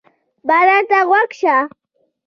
باران ته غوږ شه.